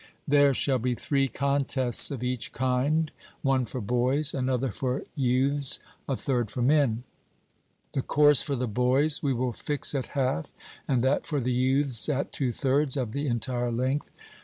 There shall be three contests of each kind one for boys, another for youths, a third for men; the course for the boys we will fix at half, and that for the youths at two thirds of the entire length.